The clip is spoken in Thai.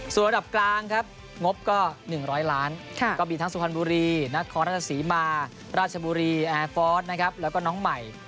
ส่วนระดับกลางครับงบก็๑๐๐ล้านก็มีทั้งสุพรรณบุรีนครราชศรีมาราชบุรีแอร์ฟอร์สนะครับแล้วก็น้องใหม่